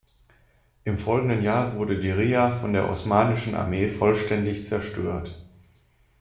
Im folgenden Jahr wurde Diriyya von der Osmanischen Armee vollständig zerstört.